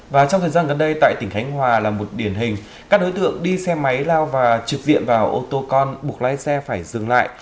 và trong thời gian gần đây tại tỉnh khánh hòa là một điển hình các đối tượng đi xe máy lao và trực diện vào ô tô con buộc lái xe phải dừng lại